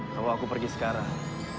kalau aku pergi sekarang